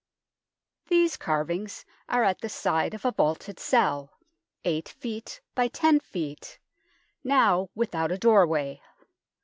These carvings are at the side of a vaulted cell, 8 ft. by 10 ft., now without a doorway.